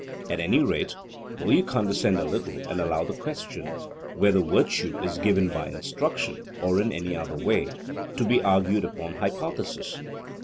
At any rate, will you condescend a little, and allow the question 'Whether virtue is given by instruction, or in any other way,' to be argued upon hypothesis?